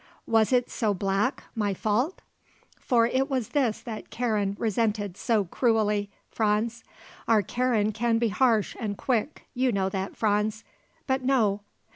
Was it so black, my fault? For it was this that Karen resented so cruelly, Franz. Our Karen can be harsh and quick, you know that, Franz. But no!